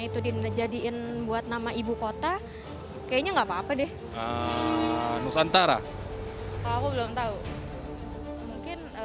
itu dijadiin buat nama ibu kota kayaknya enggak apa apa deh nusantara aku belum tahu mungkin